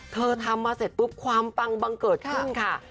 ทำมาเสร็จปุ๊บความปังบังเกิดขึ้นค่ะ